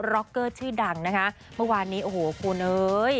ร็อกเกอร์ชื่อดังนะคะเมื่อวานนี้โอ้โหคุณเอ้ย